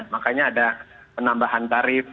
makanya ada penambahan tarif